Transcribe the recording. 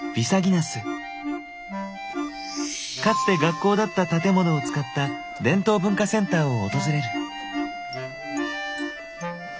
かつて学校だった建物を使った伝統文化センターを訪れる。